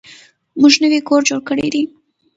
موږ نوی کور جوړ کړی دی.